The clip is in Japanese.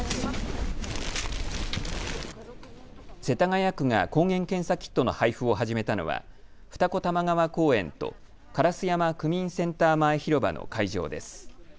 世田谷区が抗原検査キットの配布を始めたのは二子玉川公園と烏山区民センター前広場の会場です。